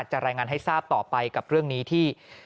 รายงานให้ทราบต่อไปกับเรื่องนี้ที่